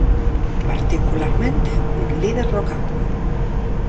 Particularmente, un líder no campo.